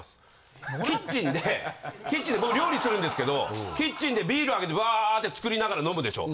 キッチンでキッチンで僕料理するんですけどキッチンでビール開けてバーッて作りながら飲むでしょ。